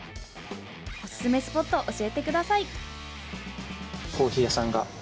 おすすめスポット教えてください！